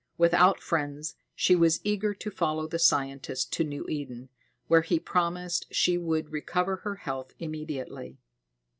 Without friends, she was eager to follow the scientist to New Eden, where he promised she would recover her health immediately.